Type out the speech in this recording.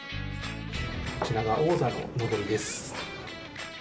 こちらが王座ののぼりです。